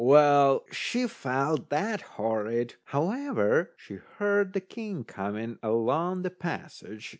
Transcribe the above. Well, she felt that horrid. However, she heard the king coming along the passage.